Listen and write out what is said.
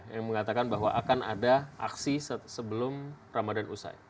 yang mengatakan bahwa akan ada aksi sebelum ramadan usai